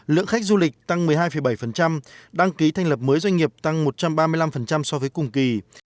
lượng khách du lịch tăng một mươi hai bảy đăng ký thành lập mới doanh nghiệp tăng một trăm ba mươi năm so với cùng kỳ